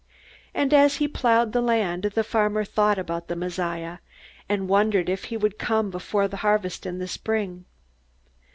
And as he plowed the land, the farmer thought about the Messiah, and wondered if he would come before the harvest in the spring.